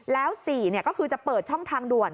แล้ว๔ก็คือจะเปิดช่องทางด่วน